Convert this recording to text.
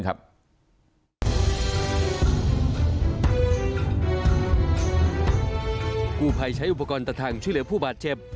กู้ภัยใช้อุปกรณ์ตัดทางช่วยเหลือผู้บาดเจ็บ